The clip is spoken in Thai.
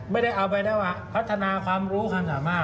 ไม่ได้เอาไปได้ว่าพัฒนาความรู้ความสามารถ